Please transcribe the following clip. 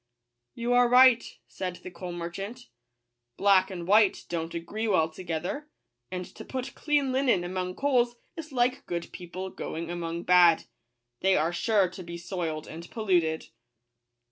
" You are right," said the coal merchant :" black and white don't agree well together ; and to put clean linen among coals is like good people going among bad — they are sure to be soiled and polluted."